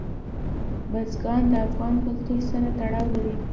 بزګان د افغان کلتور سره تړاو لري.